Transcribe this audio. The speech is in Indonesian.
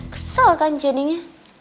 kesel kan jadinya